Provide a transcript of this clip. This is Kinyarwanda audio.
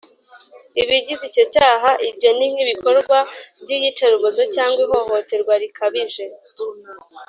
Ibigize icyo cyaha ibyo ni nk’ibikorwa by’iyicarubozo cyangwa ihohoterwa rikabije